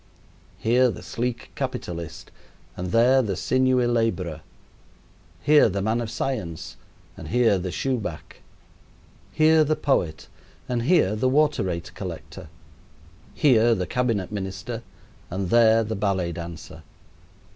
Here the sleek capitalist and there the sinewy laborer; here the man of science and here the shoe back; here the poet and here the water rate collector; here the cabinet minister and there the ballet dancer.